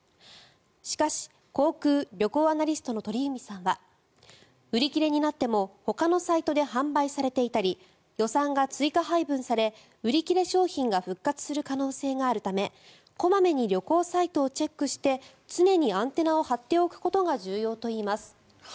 しかし、航空・旅行アナリストの鳥海さんは売り切れになってもほかのサイトで販売されていたり予算が追加配分され売り切れ商品が復活する可能性があるため小まめに旅行サイトをチェックして常にアンテナを張っておくことが重要といいます。